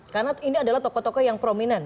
karena ini adalah tokoh tokoh yang prominent